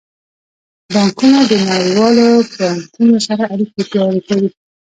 بانکونه د نړیوالو بانکونو سره اړیکې پیاوړې کوي.